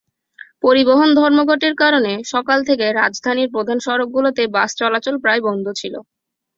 পরিবহন ধর্মঘটের কারণে সকাল থেকে রাজধানীর প্রধান সড়কগুলোতে বাস চলাচল প্রায় বন্ধ ছিল।